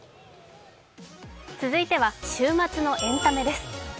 続いては週末のエンタメです。